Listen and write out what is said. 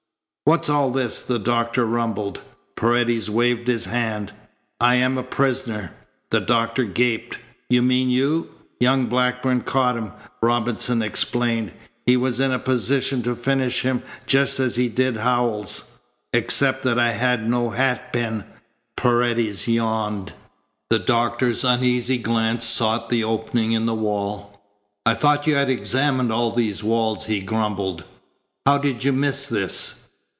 "What's all this?" the doctor rumbled. Paredes waved his hand. "I am a prisoner." The doctor gaped. "You mean you " "Young Blackburn caught him," Robinson explained. "He was in a position to finish him just as he did Howells." "Except that I had no hatpin," Paredes yawned. The doctor's uneasy glance sought the opening in the wall. "I thought you had examined all these walls," he grumbled. "How did you miss this?"